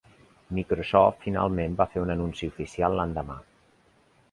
Microsoft finalment va fer un anunci oficial l'endemà.